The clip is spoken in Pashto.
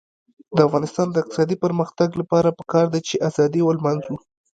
د افغانستان د اقتصادي پرمختګ لپاره پکار ده چې ازادي ولمانځو.